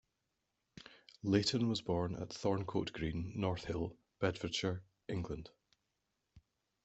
Layton was born at Thorncote Green, Northill, Bedfordshire, England.